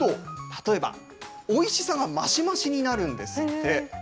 例えば、おいしさが増し増しになるんですって。